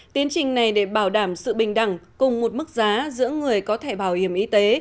tiến trình này để bảo đảm sự bình đẳng cùng một mức giá giữa người có thẻ bảo hiểm y tế